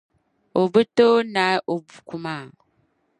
O be tooi naai o buku maa.